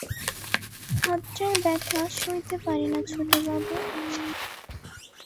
হাতটার ব্যথা সইতে পারি না ছোটবাবু।